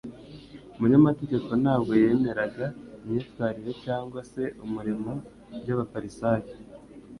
Umunyamategeko ntabwo yemeraga imyitwarire cyangwa se umurimo by'abafarisayo.